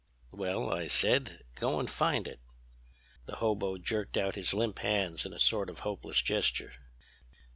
"'Well,' I said, 'go and find it.' "The hobo jerked out his limp hands in a sort of hopeless gesture.